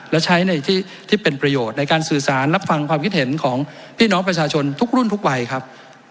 และใช้ในที่เป็นประโยชน์ในการสื่อสารรับฟังความคิดเห็นของพี่น้องประชาชนทุกรุ่นทุกวัยครับ